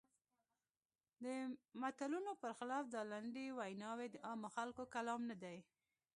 د متلونو پر خلاف دا لنډې ویناوی د عامو خلکو کلام نه دی.